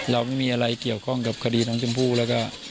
เราไม่มีอะไรเกี่ยวข้องกับคดีน้องชมพู่แล้วก็